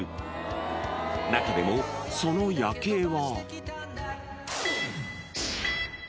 ［中でもその夜景は］